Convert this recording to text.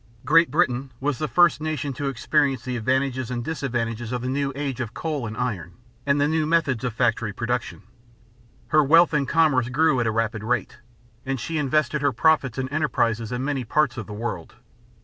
Great Britain was the first nation to experience the advantages and disadvantages of the new age of coal and iron, and the new methods of factory production. Her wealth and commerce grew at a rapid rate, and she invested her profits in enterprises in many parts of the world.